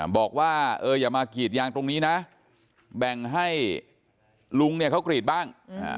บอกว่าอย่ามากรีดยางตรงนี้นะแบ่งให้ลุงเนี่ยเขากรีดบ้าง